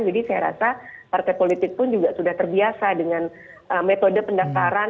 jadi saya rasa partai politik pun juga sudah terbiasa dengan metode pendaftaran